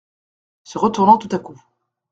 Se retournant tout à coup.